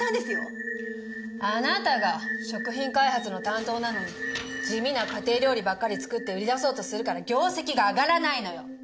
あなたが食品開発の担当なのに地味な家庭料理ばっかり作って売り出そうとするから業績が上がらないのよ。